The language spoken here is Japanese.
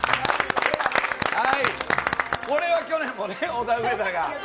これは去年もオダウエダが。